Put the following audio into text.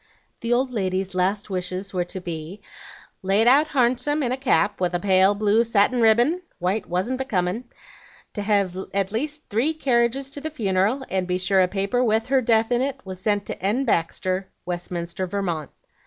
The old lady's last wishes were to be 'laid out harnsome in a cap with a pale blue satin ribbin, white wasn't becomin', to hev at least three carriages to the funeral, and be sure a paper with her death in it was sent to N. Baxter, Westminster, Vermont.'